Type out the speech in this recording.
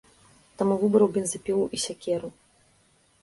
Таму выбраў бензапілу і сякеру.